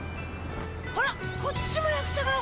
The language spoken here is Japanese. あらこっちも役者顔！